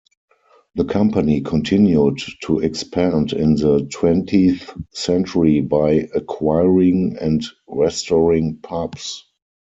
The company continued to expand in the twentieth century by acquiring and restoring pubs.